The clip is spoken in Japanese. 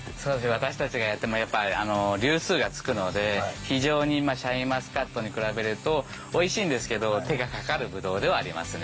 私たちがやっても粒数がつくので、非常にシャインマスカットに比べるとおいしいんですけど、手がかかるぶどうではありますね。